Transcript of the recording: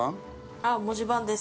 あっ文字盤です。